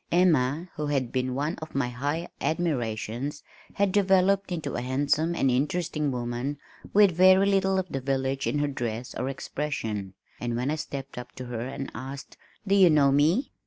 Emma, who had been one of my high admirations, had developed into a handsome and interesting woman with very little of the village in her dress or expression, and when I stepped up to her and asked, "Do you know me?"